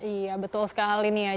iya betul sekali nih ya